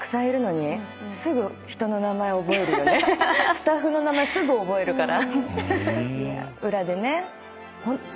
スタッフの名前すぐ覚えるから。